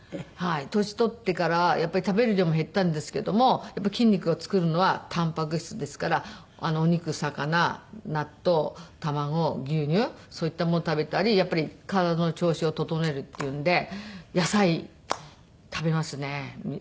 年取ってからやっぱり食べる量も減ったんですけどもやっぱり筋肉を作るのはたんぱく質ですからお肉魚納豆卵牛乳そういったものを食べたりやっぱり体の調子を整えるっていうんで野菜食べますね。